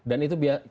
dan itu biasa